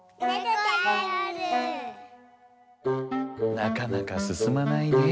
なかなかすすまないねぇ。